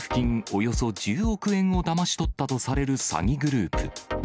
およそ１０億円をだまし取ったとされる詐欺グループ。